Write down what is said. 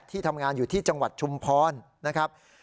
ทำงานอยู่ที่จังหวัดชุมพรนะครับ